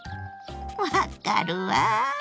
分かるわ！